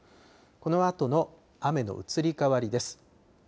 このあとの雨の移り変わりです。